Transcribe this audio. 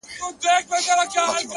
زه ورته ټوله شپه قرآن لولم قرآن ورښيم’